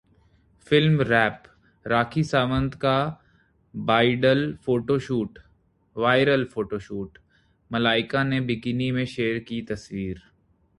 Film Wrap: Rakhi Sawant का bridal photoshoot, Malaika ने bikini में शेयर की तस्वीर